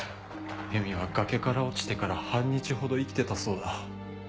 恵美は崖から落ちてから半日ほど生きてたそうだ。